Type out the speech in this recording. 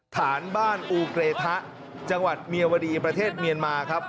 ฐานบ้านอูเกรทะจังหวัดเมียวดีประเทศเมียนมาครับ